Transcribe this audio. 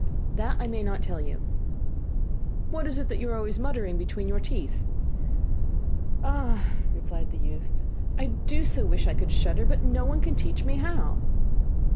'That I may not tell you.' 'What is it that you are always muttering between your teeth?' 'Ah,' replied the youth, 'I do so wish I could shudder, but no one can teach me how.